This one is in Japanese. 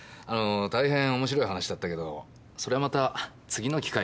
大変面白い話だったけどそれはまた次の機会にしましょう。